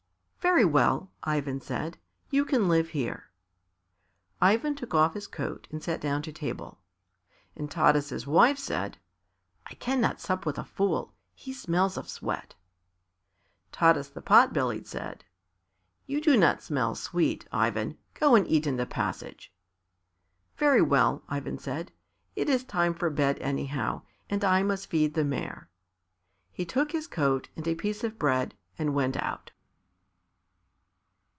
"Very well," Ivan said. "You can live here." Ivan took off his coat and sat down to table. And Taras' wife said, "I cannot sup with a fool; he smells of sweat." Taras the Pot bellied said, "You do not smell sweet, Ivan; go and eat in the passage." "Very well," Ivan said; "it's time for bed, anyhow, and I must feed the mare." He took his coat and a piece of bread, and went out.